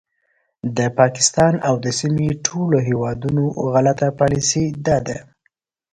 د پاکستان او د سیمې ټولو هیوادونو غلطه پالیسي دا ده